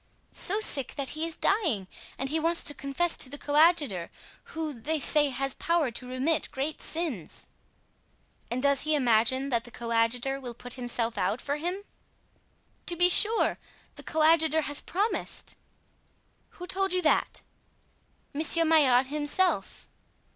"So sick that he is dying, and he wants to confess to the coadjutor, who, they say, has power to remit great sins." "And does he imagine that the coadjutor will put himself out for him?" "To be sure; the coadjutor has promised." "Who told you that?" "Monsieur Maillard himself."